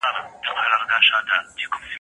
چي منگول يې ټينگ پر سر د بيزو وان سول